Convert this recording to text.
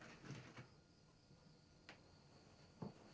nah abang lu kan gak tua tua amat segitu sih